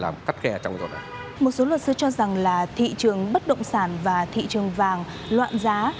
một số luật sư cho rằng là thị trường bất động sản và thị trường vàng loạn giá